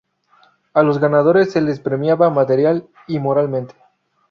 A los ganadores se los premiaba material y moralmente.